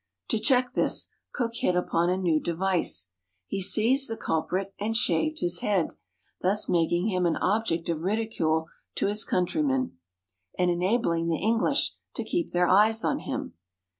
To check this. Cook hit upon a new device. He seized the culprit and shaved his head, thus making him an object of ridicule to his countrymen, and enabling the Enghsh to keep their eyes on him.